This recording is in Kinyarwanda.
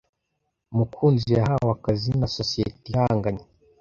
Mukunzi yahawe akazi na sosiyete ihanganye.